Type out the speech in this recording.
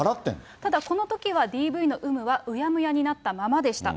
ただこのときは、ＤＶの有無やうやむやになったままでした。